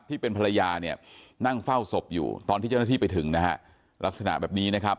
ที่เป็นภรรยาเนี่ยนั่งเฝ้าศพอยู่ตอนที่เจ้าหน้าที่ไปถึงนะฮะลักษณะแบบนี้นะครับ